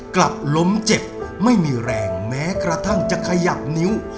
กลับล้มเจ็บไม่มีแรงแม้กระทั่งจะขยับนิ้ว